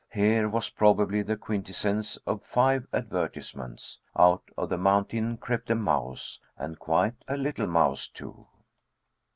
Here was probably the quintessence of five advertisements. Out of the mountain crept a mouse, and quite a little mouse, too!